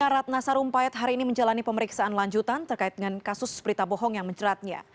ratna sarumpait hari ini menjalani pemeriksaan lanjutan terkait dengan kasus berita bohong yang menjeratnya